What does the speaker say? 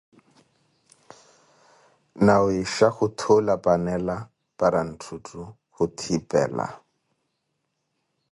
Nawiixha khuthula panela para ntthutthu khuthipela.